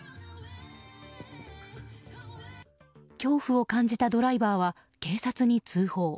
恐怖を感じたドライバーは警察に通報。